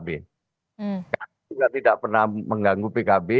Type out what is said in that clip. pengurus nahdlatul ulama tidak pernah mengganggu pkb